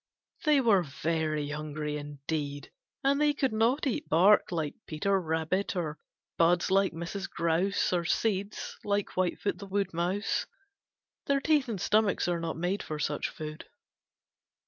They were very hungry indeed, and they could not eat bark like Peter Rabbit, or buds like Mrs. Grouse, or seeds like Whitefoot the Woodmouse. Their teeth and stomachs are not made for such food.